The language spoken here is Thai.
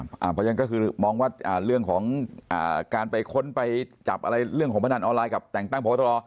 เพราะฉะนั้นก็คือมองว่าเรื่องของการไปค้นไปจับอะไรเรื่องของพนันออนไลน์กับแต่งตั้งพบตร